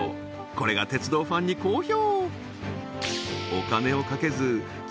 これが鉄道ファンに好評！